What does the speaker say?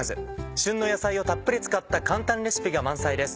旬の野菜をたっぷり使った簡単レシピが満載です。